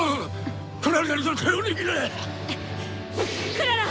クララッ！